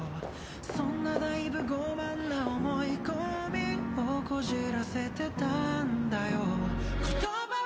「そんなだいぶ傲慢な思い込みを拗らせてたんだよ」